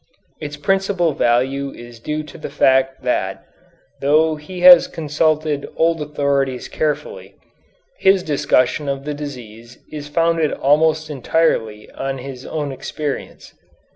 Its principal value is due to the fact that, though he has consulted old authorities carefully, his discussion of the disease is founded almost entirely on his own experience.